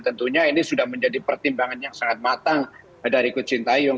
tentunya ini sudah menjadi pertimbangan yang sangat matang dari kocintayong